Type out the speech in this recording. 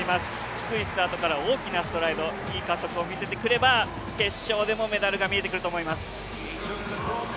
低いスタートから大きなストライド、いい加速を見せてくれば決勝でもメダルが見えてくると思います。